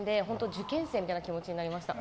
受験生みたいな気持ちになりました。